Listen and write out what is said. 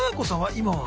今は。